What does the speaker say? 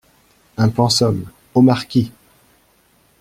Un pensum, au marquis !…